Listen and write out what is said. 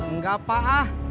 enggak pak ah